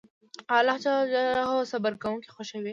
الله جل جلاله صبر کونکي خوښوي